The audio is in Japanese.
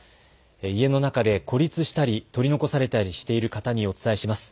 家の中で孤立したり取り残されたりしている方にお伝えします。